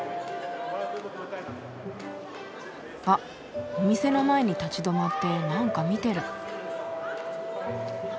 あっお店の前に立ち止まってなんか見てる。